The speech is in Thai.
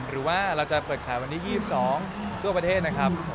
หรือว่าเราจะเปิดขายวันที่๒๒ทั่วประเทศนะครับ